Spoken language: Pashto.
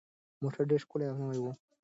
موټر ډېر ښکلی او نوی و.